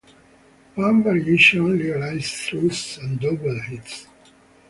One variation legalizes throws and double hits.